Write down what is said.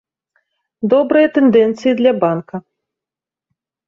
Добрыя тэндэнцыі для банка.